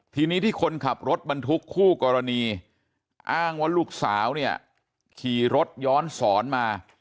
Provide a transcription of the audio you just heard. ทีนี้ที่คนขับรถบรรทุกคู่กรณีอ้างว่าลูกสาวเนี่ยขี่รถย้อนสอนมา